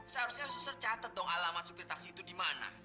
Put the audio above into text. seharusnya tercatat dong alamat supir taksi itu di mana